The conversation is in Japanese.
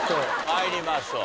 参りましょう。